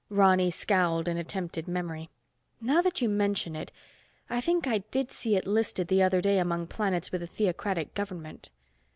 Ronny scowled in attempted memory. "Now that you mention it, I think I did see it listed the other day among planets with a theocratic government."